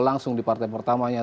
langsung di partai pertamanya